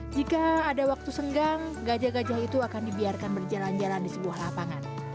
jika ada waktu senggang gajah gajah itu akan dibiarkan berjalan jalan di sebuah lapangan